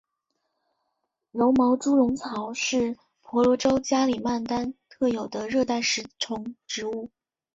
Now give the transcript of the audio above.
柔毛猪笼草是婆罗洲加里曼丹特有的热带食虫植物。